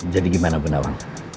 jadi gimana bu nawang